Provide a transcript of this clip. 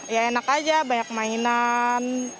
ya enak aja banyak mainan